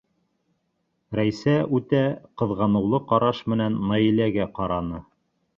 Рәйсә үтә ҡыҙғаныулы ҡараш менән Наиләгә ҡараны.